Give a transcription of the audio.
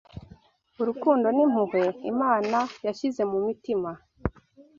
Urukundo n’impuhwe Imana yashyize mu mitima